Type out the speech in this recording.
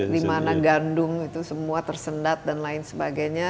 di mana gandum itu semua tersendat dan lain sebagainya